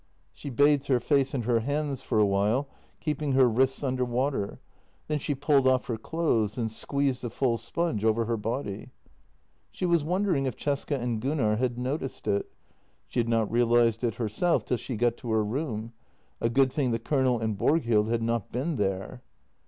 She bathed her face and her hands for a while, keeping her wrists under water; then she pulled off her clothes and squeezed the full sponge over her body. She was wondering if Cesca and Gunnar had noticed it; she had not realized it herself till she got to her room; a good thing the Colonel and Borghild had not been there.